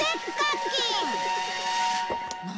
何？